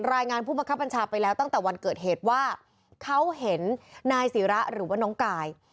รายงานผู้บังคับบัญชาไปแล้วตั้งแต่วันเกิดเหตุว่าเขาเห็นนายศิระหรือว่าน้องกาย